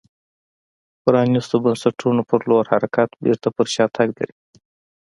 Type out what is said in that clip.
پرانیستو بنسټونو په لور حرکت بېرته پر شا تګ لري